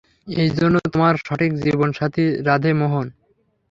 এই জন্যে তোমার সঠিক জীবন সাথী রাধে মোহন।